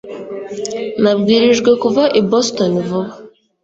Nabwirijwe kuva i Boston vuba